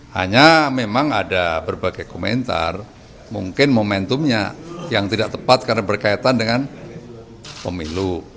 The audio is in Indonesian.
hanya memang ada berbagai komentar mungkin momentumnya yang tidak tepat karena berkaitan dengan pemilu